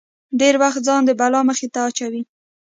ډېری وخت ځان د بلا مخې ته اچوي.